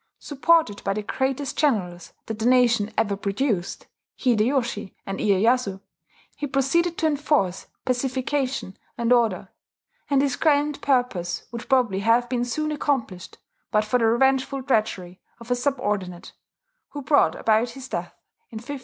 Supported by the greatest generals that the nation ever produced, Hideyoshi and Iyeyasu, he proceeded to enforce pacification and order; and his grand purpose would probably have been soon accomplished, but for the revengeful treachery of a subordinate, who brought about his death in 1583.